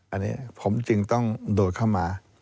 อันนี้ผมจึงต้องโดดเข้ามา